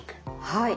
はい。